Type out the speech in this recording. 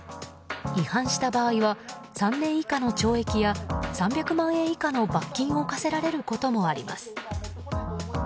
違反した場合は３年以下の懲役や３００万円以下の罰金を科せられることもあります。